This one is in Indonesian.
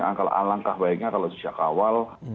alangkah baiknya kalau susah kawal